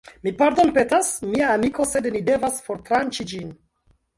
Mi pardonpetas, mia amiko sed ni devas fortranĉi ĝin